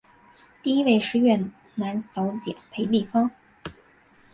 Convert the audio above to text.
第一位越南小姐是裴碧芳。